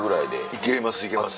行けます行けます。